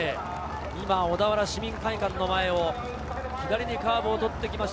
小田原市民会館の前を左にカーブを取ってきました。